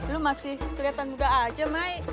lu masih kelihatan muda aja mai